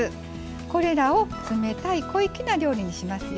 これらを冷たい小粋な料理にしますよ。